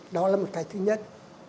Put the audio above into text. đó là một cái thứ nhất